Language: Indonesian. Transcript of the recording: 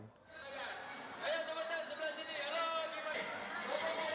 ayo teman teman sebelah sini